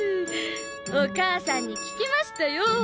お母さんに聞きましたよ。